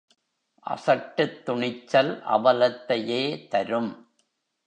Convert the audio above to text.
அசட்டுத் துணிச்சல் அவலத்தையே தரும்.